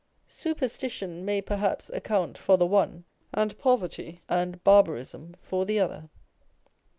Superstition may perhaps account for the one, and poverty and barbarism for the other.